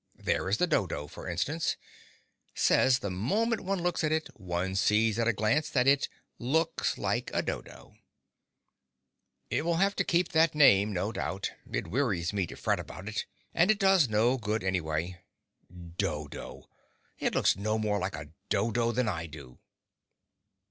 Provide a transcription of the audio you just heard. There is the dodo, for instance. Says the moment one looks at it one sees at a glance that it "looks like a dodo." It will have to keep that name, no doubt. It wearies me to fret about it, and it does no good, anyway. Dodo! It looks no more like a dodo than I do.